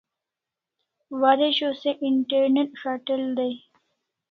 Waresho se internet s'atel dai